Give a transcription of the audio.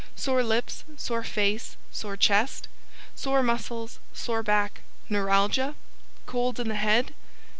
Sore Lips, Sore Face, Sore Chest? Sore Muscles, Sore Back, Neuralgia? COLDS IN THE HEAD?